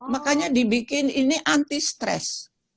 makanya dibikin ini anti stres